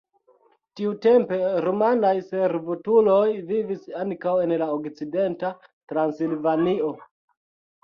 Tiutempe rumanaj servutuloj vivis ankaŭ en la okcidenta Transilvanio.